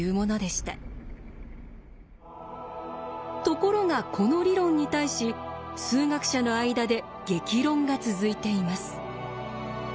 ところがこの理論に対し数学者の間で激論が続いています。